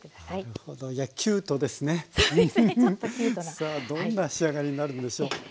さあどんな仕上がりになるんでしょう？